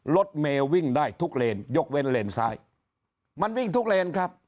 รถเมย์วิ่งได้ทุกเลนยกเว้นเลนซ้ายมันวิ่งทุกเลนครับ